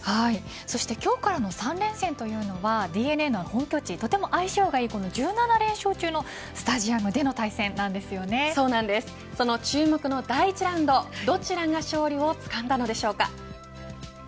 そして今日からの３連戦はＤｅＮＡの本拠地でとても相性のいい１７連勝中のその注目の第１ラウンドどちらが勝利をつかんだのでしょうか。